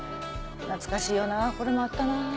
懐かしいよなこれもあったな。